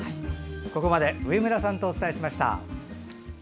ここまで上村さんとお伝えしました。